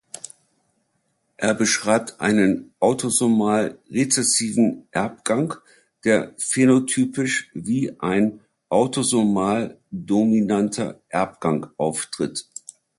Er beschreibt einen autosomal-rezessiven Erbgang, der phänotypisch wie ein autosomal-dominanter Erbgang auftritt.